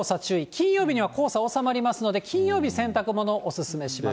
金曜日には黄砂収まりますので、金曜日、洗濯物、お勧めします。